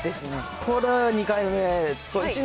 これは２回目。